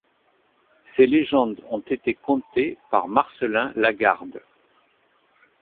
Ces légendes ont été contées par Marcellin La Garde.